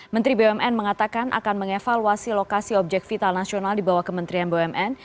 menteri bumn mengatakan akan mengevaluasi lokasi objek vital nasional di bawah kementerian bumn